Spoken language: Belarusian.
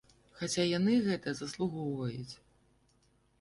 Хаця яны гэтага заслугоўваюць!